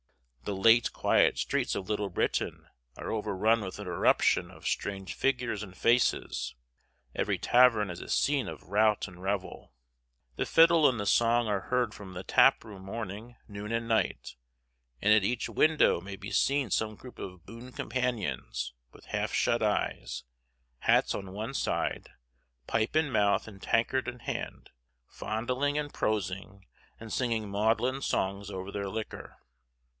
The late quiet streets of Little Britain are overrun with an irruption of strange figures and faces; every tavern is a scene of rout and revel. The fiddle and the song are heard from the taproom morning, noon, and night; and at each window may be seen some group of boon companions, with half shut eyes, hats on one side, pipe in mouth and tankard in hand, fondling and prosing, and singing maudlin songs over their liquor.